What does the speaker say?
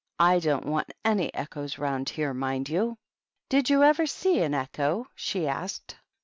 I don't want any echoes round here, mind you !"" Did you ever see an echo ?" she asked.